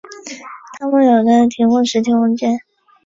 它们有的提供实体空间。